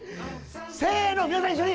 せの皆さん一緒に！